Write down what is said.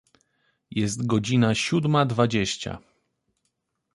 Jest godzina siódma dwadzieścia.